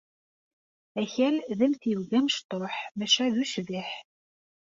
Akal d amtiweg amecṭuḥ, maca d ucbiḥ.